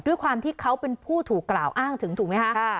ด้วยความที่เขาเป็นผู้ถูกกล่าวอ้างถึงถูกไหมคะ